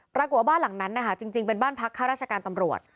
ปรากฏว่าบ้านหลังนั้นนะคะจริงเป็นบ้านพักข้าราชการตำรวจ